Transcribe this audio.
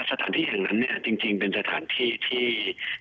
สถานที่แห่งนั้นเนี่ยจริงเป็นสถานที่ที่